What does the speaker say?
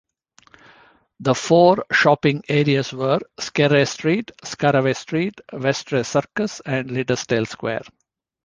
The four shopping areas were Skerray Street, Scaraway Street, Westray Circus and Liddesdale Square.